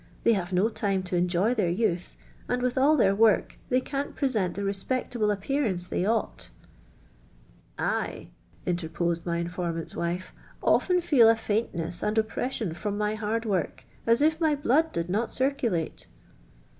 ■ They have no time to enjoy their youth, and, with all their work, they can't presiont the re spectable appearance they oughu" "I" linter poseil my infonuants wife) " «flen feel a faintness and oppression from my hard work, as if my bloiid diil not lirculate."